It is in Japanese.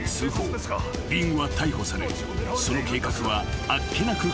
［リンは逮捕されその計画はあっけなく崩れ去った］